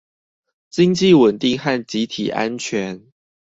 經濟穩定和集體安全